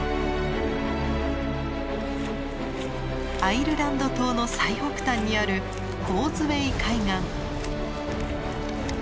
アイルランド島の最北端にあるコーズウェイ海岸。